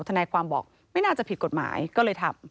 ทนายความบอกไม่น่าจะผิดกฎหมายก็เลยทำ